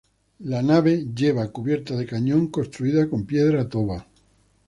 La nave lleva cubierta de cañón construida con piedra toba.